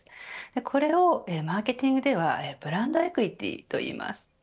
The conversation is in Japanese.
これを、マーケティングではブランド・エクイティといいます。